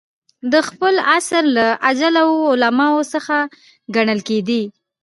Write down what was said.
د خپل عصر له اجله وو علماوو څخه ګڼل کېدئ.